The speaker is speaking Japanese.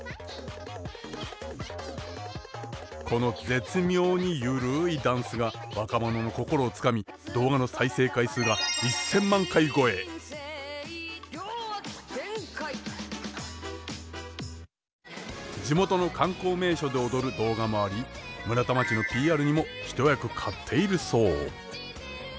この絶妙に緩いダンスが若者の心をつかみ動画の再生回数が地元の観光名所で踊る動画もあり村田町のＰＲにも一役買っているそう。